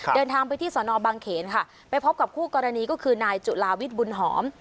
เดินทางไปที่สนบางเขนค่ะไปพบกับคู่กรณีก็คือนายจุลาวิทย์บุญหอม